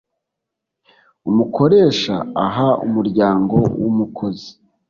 umukoresha aha umuryango w umukozi